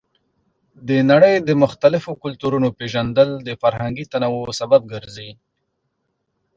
د نړۍ د مختلفو کلتورونو پیژندل د فرهنګي تنوع سبب ګرځي.